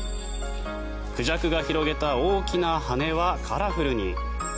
クジャクが広げた大きな羽はカラフルに。